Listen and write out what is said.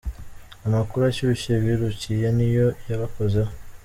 Amakuru ashyushye birukiye ni yo yabakozeho.